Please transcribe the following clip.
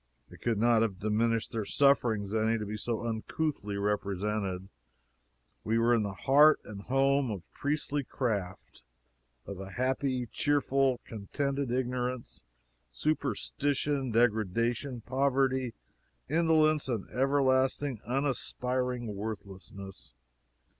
It could not have diminished their sufferings any to be so uncouthly represented. We were in the heart and home of priest craft of a happy, cheerful, contented ignorance, superstition, degradation, poverty, indolence, and everlasting unaspiring worthlessness.